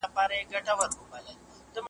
چې په سر مې د وطن خدمت منلی